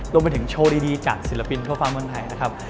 รวมไปถึงโชว์ดีจากศิลปินทั่วฟ้าเมืองไทยนะครับ